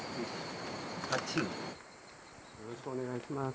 よろしくお願いします。